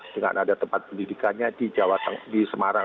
dengan ada tempat pendidikannya di jawa tengah di semarang